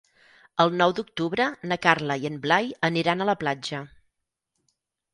El nou d'octubre na Carla i en Blai aniran a la platja.